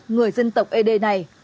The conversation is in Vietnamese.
người dân tộc ed này